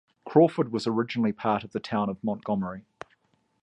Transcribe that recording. Crawford was originally part of the Town of Montgomery.